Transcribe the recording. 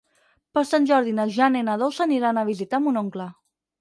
Per Sant Jordi na Jana i na Dolça aniran a visitar mon oncle.